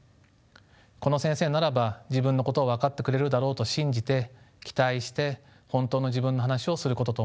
この先生ならば自分のことを分かってくれるだろうと信じて期待して本当の自分の話をすることと思います。